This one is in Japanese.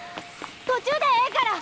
途中でええから。